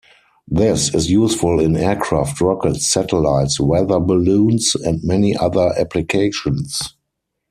This is useful in aircraft, rockets, satellites, weather balloons, and many other applications.